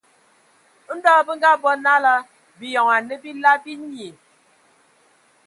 Ndɔ bǝ ngabɔ nala biyon anǝ bila binyii.